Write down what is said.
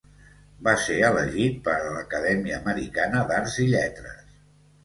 Va ser elegit per a l'Acadèmica Americana d'Arts i Lletres.